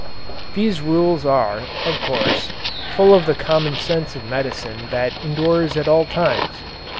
These rules are, of course, full of the common sense of medicine that endures at all times.